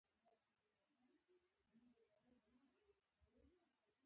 تر دې چې په دولس سوه میلادي کال کې بېرته وګرځي.